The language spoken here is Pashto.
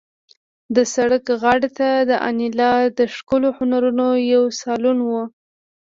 د سړک غاړې ته د انیلا د ښکلو هنرونو یو سالون و